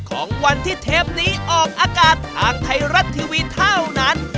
ของวันที่เทปนี้ออกอากาศทางไทยรัฐทีวีเท่านั้น